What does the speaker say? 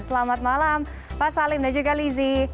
selamat malam pak salim dan juga lizzie